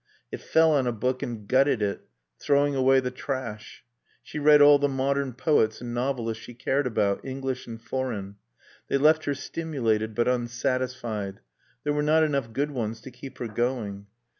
It fell on a book and gutted it, throwing away the trash. She read all the modern poets and novelists she cared about, English and foreign. They left her stimulated but unsatisfied. There were not enough good ones to keep her going.